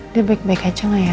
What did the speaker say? dia baik baik aja gak ya